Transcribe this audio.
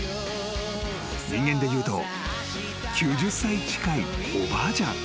［人間でいうと９０歳近いおばあちゃん］